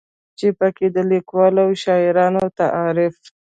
چې پکې د ليکوالو او شاعرانو تعارف